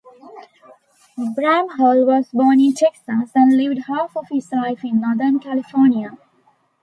Bramhall was born in Texas and lived half of his life in Northern California.